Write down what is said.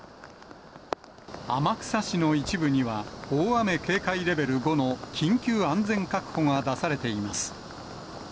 天草市の一部には大雨警戒レベル５の緊急安全確保が出されています。